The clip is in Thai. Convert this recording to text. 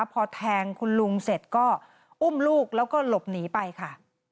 พอแทงคุณลุงเสร็จก็อุ้มลูกแล้วก็หลบหนีไปค่ะ